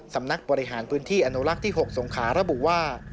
สำนักบริหารพื้นที่อนุรักษ์ที่๖สงขาระบุว่า